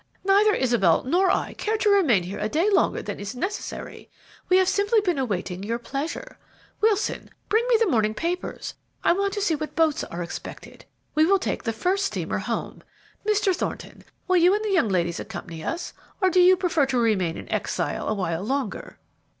Neither Isabel nor I care to remain here a day longer than is necessary; we have simply been awaiting your pleasure. Wilson, bring me the morning papers; I want to see what boats are expected. We will take the first steamer home. Mr. Thornton, will you and the young ladies accompany us, or do you prefer to remain in exile a while longer?"